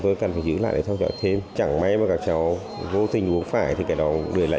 tôi cần phải giữ lại để theo dõi thêm chẳng may mà các cháu vô tình uống phải thì cái đó để lại